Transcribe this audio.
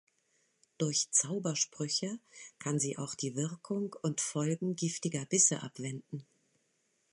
Durch Zaubersprüche kann sie auch die Wirkung und Folgen giftiger Bisse abwenden.